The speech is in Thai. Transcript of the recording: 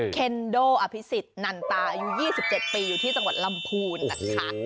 เคนโดอภิษฎนันตาอายุ๒๗ปีอยู่ที่จังหวัดลำพูนนะคะ